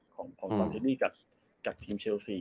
ของตอนที่นี่กับทีมเชลซี